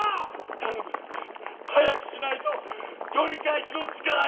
頼む早くしないと取り返しのつかない事になる！